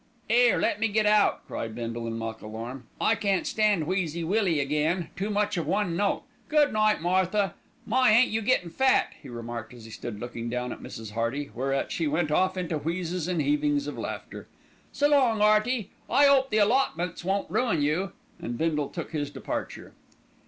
"'Ere, let me get out," cried Bindle in mock alarm. "I can't stand Wheezy Willie again, too much of one note. Good night, Martha. My, ain't you gettin' fat," he remarked as he stood looking down at Mrs. Hearty, whereat she went off into wheezes and heavings of laughter. "S'long, 'Earty, I 'ope the allotments won't ruin you," and Bindle took his departure.